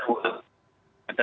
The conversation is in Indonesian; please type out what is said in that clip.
pt un kita ada dua